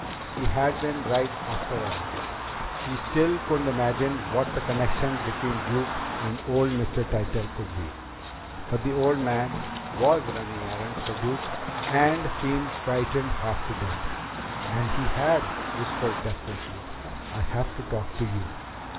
She had been right after all! She still couldn't imagine what the connection between Duke and old Mr. Tytell could be. But the old man was running errands for Duke, and seemed frightened half to death! And he had whispered desperately: "I have to talk to you!"